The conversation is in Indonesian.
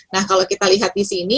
nah kalau kita lihat di sini